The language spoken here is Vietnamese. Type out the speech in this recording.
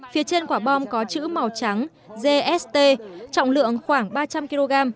phía trên quả bom có chữ màu trắng gst trọng lượng khoảng ba trăm linh kg